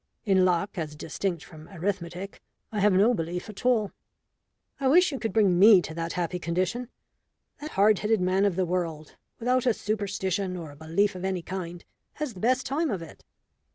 In luck as distinct from arithmetic I have no belief at all." "I wish you could bring me to that happy condition. The hard headed man of the world, without a superstition or a belief of any kind, has the best time of it."